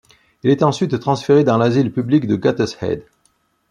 Il est ensuite transféré dans l'asile public de Gateshead.